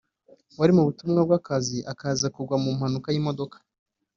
wari mu butumwa bw’akazi akaza kugwa mu mpanuka y’imodoka